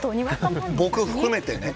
僕含めてね。